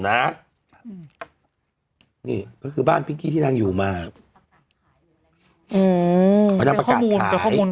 น่ะนี่ก็คือบ้านที่นั่งอยู่มาโอ้โหเป็นข้อมูลเป็นข้อมูล